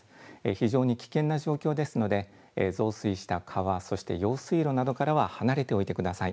非常に危険な状況ですので、増水した川、そして用水路などからは離れておいてください。